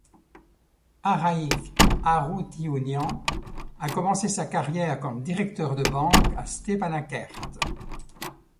Arayik Haroutiounian a commencé sa carrière comme directeur de banque à Stepanakert.